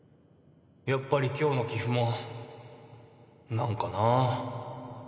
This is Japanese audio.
やっぱり今日の棋譜も何かなぁ